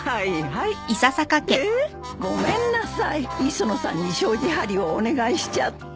磯野さんに障子張りをお願いしちゃって。